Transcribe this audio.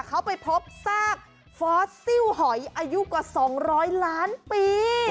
เขาไปพบซากฟอสซิลหอยอายุกว่า๒๐๐ล้านปี